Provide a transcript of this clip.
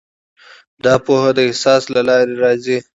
دا پوهه د احساس له لارې راځي.